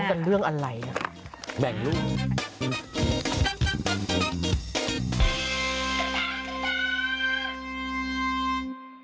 ฟ้องกันเรื่องอะไรแบ่งรูป